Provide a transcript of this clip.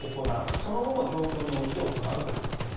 その後も状況に応じて行うということです。